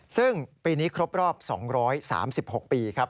ซึ่งปีนี้ครบรอบ๒๓๖ปีครับ